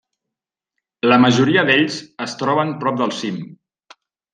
La majoria d'ells es troben prop del cim.